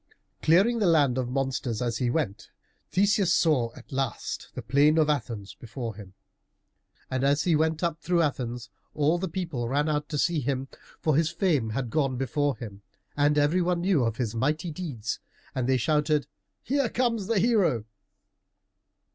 Clearing the land of monsters as he went, Theseus saw at last the plain of Athens before him. And as he went up through Athens all the people ran out to see him, for his fame had gone before him, and every one knew of his mighty deeds, and they shouted, "Here comes the hero!"